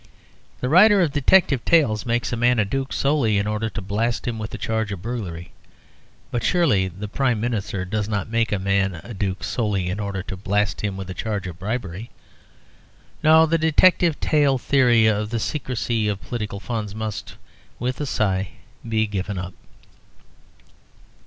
The writer of detective tales makes a man a duke solely in order to blast him with a charge of burglary. But surely the Prime Minister does not make a man a duke solely in order to blast him with a charge of bribery. No; the detective tale theory of the secrecy of political funds must (with a sigh) be given up.